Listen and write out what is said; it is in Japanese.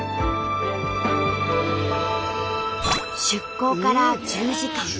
出港から１０時間。